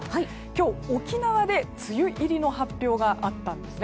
今日、沖縄で梅雨入りの発表があったんです。